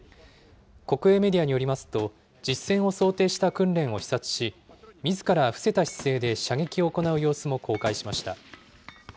国営メディアによりますと、実戦を想定した訓練を視察し、みずから伏せた姿勢で射撃を行う様子も公開しました。